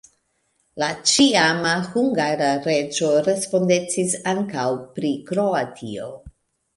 La ĉiama hungara reĝo respondecis ankaŭ pri Kroatio.